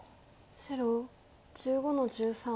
白１５の十三。